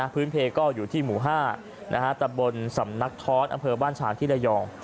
เพก็อยู่ที่หมู่๕ตำบลสำนักท้อนอำเภอบ้านฉางที่ระยอง